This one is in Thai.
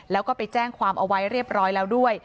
แล้วก็ไปแจ้งความเอาไว้เรียบร้อยแล้วด้วย